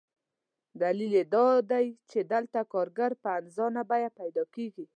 دلیل یې دادی چې دلته کارګر په ارزانه بیه پیدا کېږي.